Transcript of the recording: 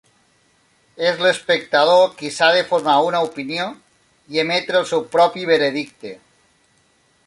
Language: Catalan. És l'espectador qui s'ha de formar una opinió i emetre el seu propi veredicte.